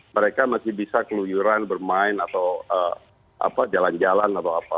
mereka masih bisa keluyuran bermain atau jalan jalan atau apa